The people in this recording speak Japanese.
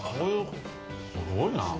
すごいな。